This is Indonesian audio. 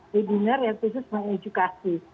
webinar yang khusus mengedukasi